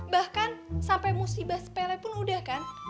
bahkan sampai musibah sepelepun udah kan